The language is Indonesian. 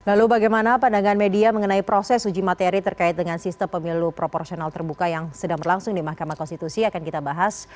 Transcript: lalu bagaimana pandangan media mengenai proses uji materi terkait dengan sistem pemilu proporsional terbuka yang sedang berlangsung di mahkamah konstitusi akan kita bahas